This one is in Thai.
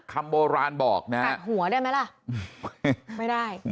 คำโบราณบอกนะฮะตัดหัวได้ไหมล่ะไม่ได้